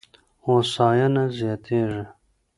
هوساينه زياتېږي.